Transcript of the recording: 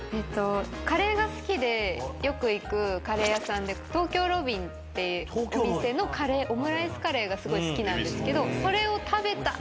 よく行くカレー屋さんで東京ロビンってお店のカレーオムライスカレーがすごい好きなんですけど。